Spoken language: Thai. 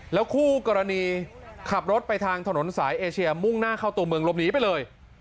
คู่กรณีขับรถไปทางถนนสายเอเชียมุ่งหน้าเข้าตัวเมืองลบหนีไปเลย